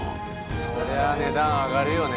そりゃあ値段上がるよね。